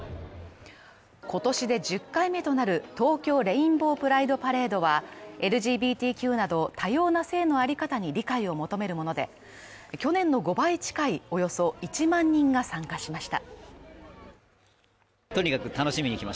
今年で１０回目となる東京レインボープライドパレードは、ＬＧＢＴＱなど多様な性の在り方に理解を求めるもので、去年の５倍近いおよそ１万人が参加しました。